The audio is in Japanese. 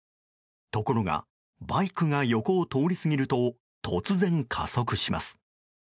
ところがバイクが横を通り過ぎると突然、加速します。